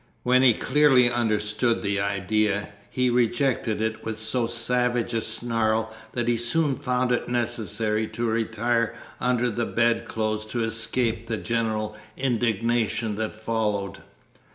When he clearly understood the idea, he rejected it with so savage a snarl, that he soon found it necessary to retire under the bedclothes to escape the general indignation that followed.